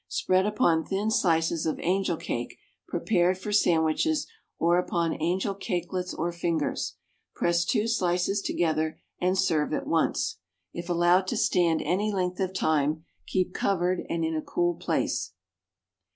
Spread upon thin slices of angel cake, prepared for sandwiches, or upon angel cakelets or fingers; press two slices together and serve at once. If allowed to stand any length of time, keep covered and in a cool place.